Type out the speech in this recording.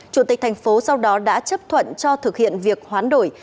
chủ tịch tp hcm sau đó đã chấp thuận cho thực hiện việc hoán đổi